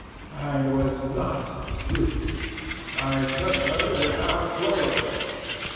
I was not duped: I took her without chloroform.